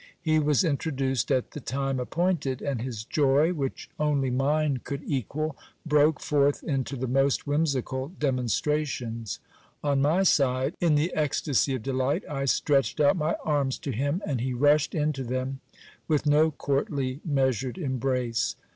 He was introduced at the time appointed ; and his joy, which only mine could equal, broke forth into the most whimsical demonstrations. On my side, in the ecstasy of delight, I stretched out my arms to him, and he rushed into them with no courtly measured embrace.